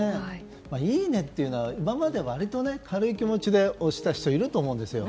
いいねっていうのは、今まで割と軽い気持ちで押していた人いると思うんですよ